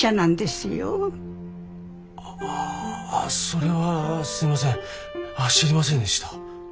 それはすいません知りませんでした。